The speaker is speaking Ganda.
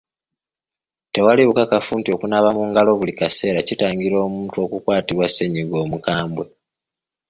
Tewali bukakafu nti okunaaba mu ngalo buli kaseera kitangira omuntu okukwatibwa ssennyiga omukambwe.